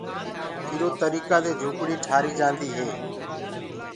اِرو تريڪآ دي جُھوپڙي تيآر هوجآندي هي۔